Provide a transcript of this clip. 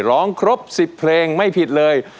ร้องครบ๑๐เพลงไม่ผิดเลย